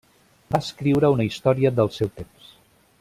Va escriure una història del seu temps.